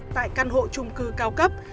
tại căn hộ trung cư cao cấp